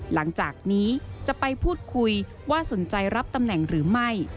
หลังจากนี้จะไปพูดคุยว่าสนใจรับตำแหน่งหรือไม่